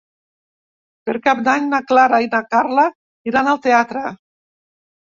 Per Cap d'Any na Clara i na Carla iran al teatre.